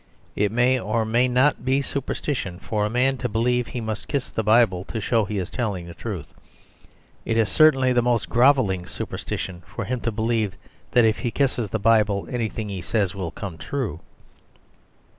It may or may not be superstition for a man to believe he must kiss the Bible to show he is telling the truth. It is certainly the most grovelling superstition for him to believe that, if he kisses the Bible, anything he says will come true.